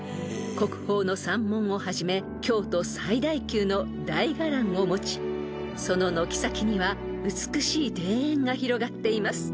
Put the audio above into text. ［国宝の三門をはじめ京都最大級の大伽藍を持ちその軒先には美しい庭園が広がっています］